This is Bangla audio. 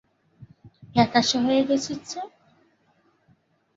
ফ্যাকাশে হয়ে গেছিস যে।